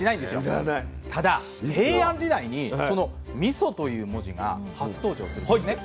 ただ平安時代にその「みそ」という文字が初登場するんですね。